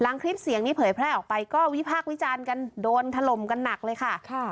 คลิปเสียงนี้เผยแพร่ออกไปก็วิพากษ์วิจารณ์กันโดนถล่มกันหนักเลยค่ะ